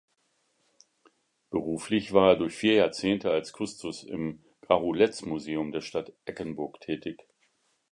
Beruflich war er durch vier Jahrzehnte als Kustos im Krahuletz-Museum der Stadt Eggenburg tätig.